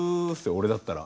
俺だったら。